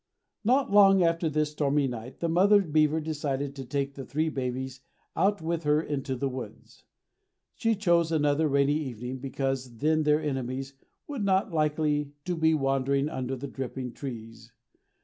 Not long after this stormy night the mother beaver decided to take the three babies out with her into the woods. She chose another rainy evening because then their enemies were not likely to be wandering under the dripping trees.